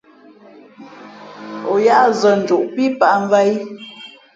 O yát zᾱ njoꞌ pí pǎʼmvāt í ?